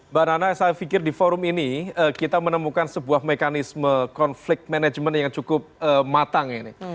mbak nana saya pikir di forum ini kita menemukan sebuah mekanisme konflik manajemen yang cukup matang ini